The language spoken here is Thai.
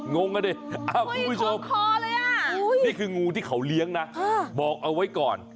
งงกันเนี่ยนี่คืองูที่เขาเลี้ยงนะบอกเอาไว้ก่อน